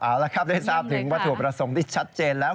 เอาละครับได้ทราบถึงวัตถุประสงค์ที่ชัดเจนแล้ว